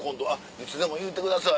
「いつでも言うてください」